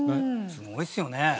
すごいっすよね。